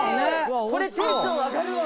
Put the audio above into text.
これテンション上がるわ。